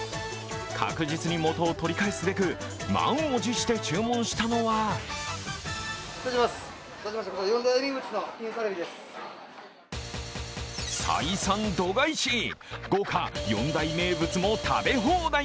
確実に元を取り返すべく満を持して注文したのは採算度外視、豪華４大名物も食べ放題。